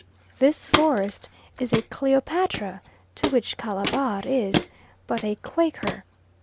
This forest is a Cleopatra to which Calabar is but a Quaker.